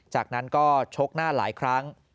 จากนั้นก็ชกหน้าหลายครั้ง